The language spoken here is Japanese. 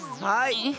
はい。